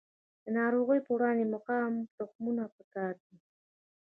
د ناروغیو په وړاندې مقاوم تخمونه پکار دي.